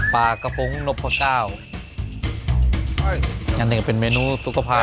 ปากระพงนพเต้าอันหนึ่งเป็นเมนูสุขภาพครับ